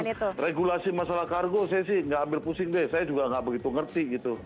kalau regulasi masalah kargo saya sih nggak ambil pusing deh saya juga nggak begitu ngerti gitu